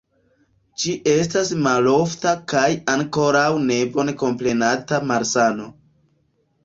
Ĝi estas malofta kaj ankoraŭ ne bone komprenata malsano.